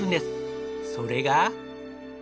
それが。